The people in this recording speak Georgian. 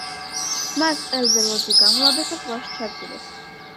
მას ყელზე ლოდი გამოაბეს და ზღვაში ჩაძირეს.